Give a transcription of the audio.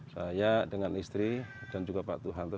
saya dengan istri dan juga pak tuhanto